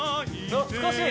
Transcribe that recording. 懐かしい！